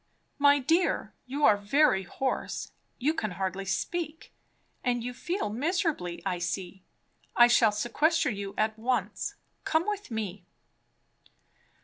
"My dear, you are very hoarse! You can hardly speak. And you feel miserably, I see. I shall sequester you at once. Come with me."